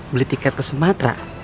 beli tiket ke sumatera